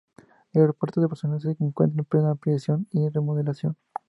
El Aeropuerto de Barcelona se encuentra en plena ampliación y remodelación.